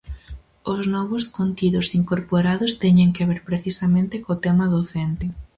Os novos contidos incorporados teñen que ver, precisamente, co tema docente.